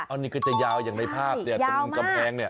อันนี้ก็จะยาวอย่างในภาพเนี่ยตรงกำแพงเนี่ย